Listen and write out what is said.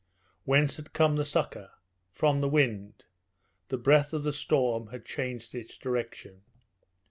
Whence had come the succour? From the wind. The breath of the storm had changed its direction.